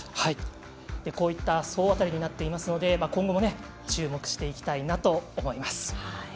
こういった総当たりになっていきますので今後も、注目していきたいなと思います。